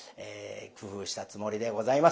工夫したつもりでございます。